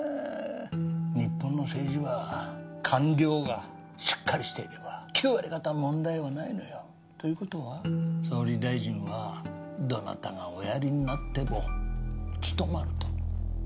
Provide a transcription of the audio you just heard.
日本の政治は官僚がしっかりしていれば９割方問題はないのよ。という事は総理大臣はどなたがおやりになっても務まると。